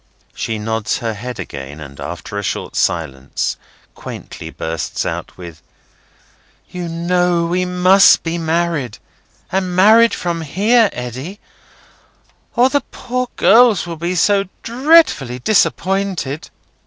She nods her head again, and after a short silence, quaintly bursts out with: "You know we must be married, and married from here, Eddy, or the poor girls will be so dreadfully disappointed!"